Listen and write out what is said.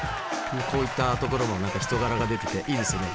こういったところも何か人柄が出てていいですね。